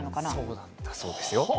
そうなんだそうですよ。